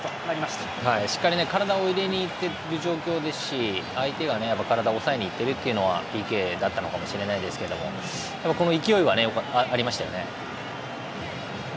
しっかり体を入れにいっている状況ですし相手が体を押さえに行っているのでＰＫだったのかもしれませんが勢いはありましたよね。